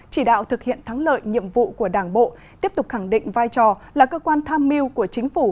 chỉ đạo thực hiện thắng lợi nhiệm vụ của đảng bộ tiếp tục khẳng định vai trò là cơ quan tham mưu của chính phủ